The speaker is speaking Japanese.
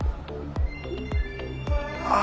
ああ！